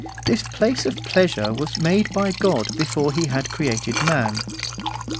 This place of pleasure was made by God before he had created man.